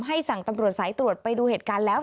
สั่งตำรวจสายตรวจไปดูเหตุการณ์แล้ว